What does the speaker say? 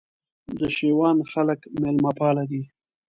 د شېوان خلک مېلمه پاله دي